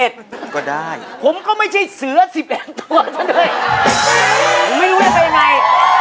แต่เผื่ออะไรเลย